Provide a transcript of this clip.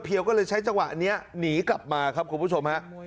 ก็เลยใช้จังหวะนี้หนีกลับมาครับคุณผู้ชมฮะ